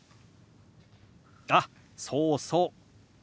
あっそうそう。